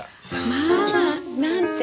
まあ！なんて？